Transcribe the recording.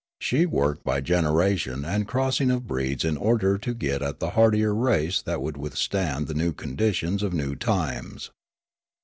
She worked b}' generation and crossing of breeds in order to get at the hardier race that w'ould withstand the new conditions of new times.